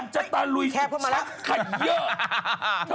ชาญเมืองแคบเข้ามาแล้วก่อนจะตะลุยศึกชักไก่เยอะ